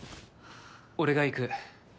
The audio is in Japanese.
俺が行く。